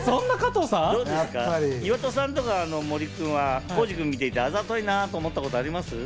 岩田さんとか森君は浩次君を見ていて、あざといなあと思ったことはあります？